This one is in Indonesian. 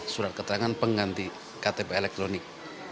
surat keterangan pengganti ktp elektronik